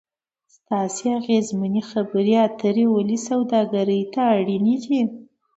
ستاسې اغیزمنې خبرې اترې ولې سوداګري ته اړینې دي ؟